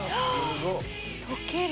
溶ける！